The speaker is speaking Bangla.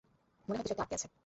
মনে হয় কিছু একটা আটকে আছে